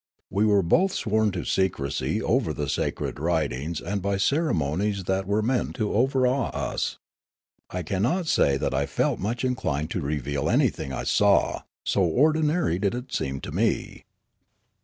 We were both sworn to secrecy over the sacred writings and b}^ ceremonies that were meant to overawe us. I cannot say that I felt much inclined to reveal anything I saw, so ordinary did it seem to me.